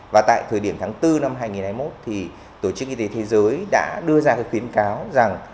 và tại thời điểm tháng bốn năm hai nghìn hai mươi một thì tổ chức y tế thế giới đã đưa ra khuyến cáo rằng